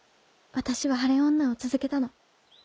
私は晴れ女を続けたの